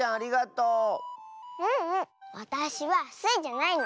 ううん。わたしはスイじゃないの。